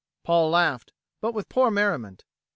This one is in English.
Paul laughed, but with poor merriment.